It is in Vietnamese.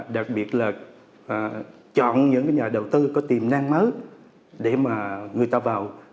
đặc biệt là chọn những nhà đầu tư có tiềm năng mới để mà người ta vào